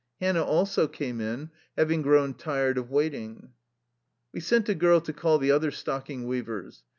Hannah also came in, having grown tired of waiting. We sent a girl to call the other stocking weav ers.